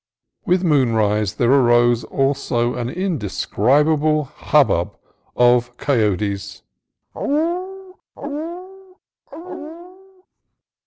With moonrise there arose also an indescribable hubbub of coyotes.